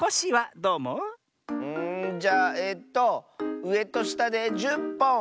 んじゃあえとうえとしたで１０ぽん！